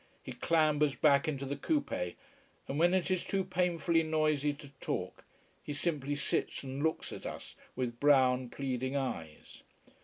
He clambers back into the coupé, and when it is too painfully noisy to talk, he simply sits and looks at us with brown, pleading eyes.